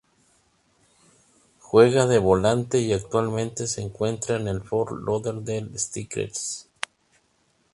Juega de volante y actualmente se encuentra en el Fort Lauderdale Strikers.